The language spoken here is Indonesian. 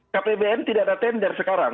kpbn tidak ada tender sekarang